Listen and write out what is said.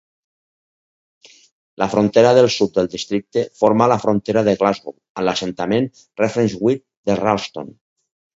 La frontera del sud del districte forma la frontera de Glasgow amb l'assentament Refrewshire de Ralston.